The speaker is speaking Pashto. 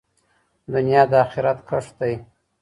دنیا د آخرت کښت دی.